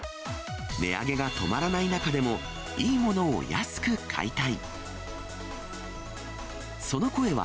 値上げが止まらない中でも、いいものを安く買いたい。